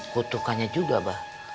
kutukannya juga pak